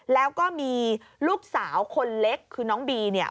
แล้วก็มีลูกสาวคนเล็กคือน้องบีเนี่ย